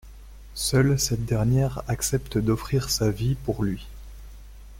Seule cette dernière accepte d'offrir sa vie pour lui.